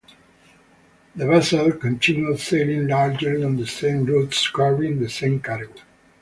The vessel continued sailing largely on the same routes carrying the same cargo.